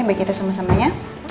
biar kita sama sama ya